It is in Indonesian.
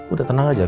udah tenang aja